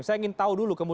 saya ingin tahu dulu